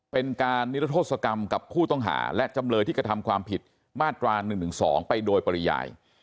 เป็นการนิรโทษกรรมกับผู้ต้องหาและจำเลยที่กระทำความผิดมาตรา๑๑๒ไปโดยปริยาย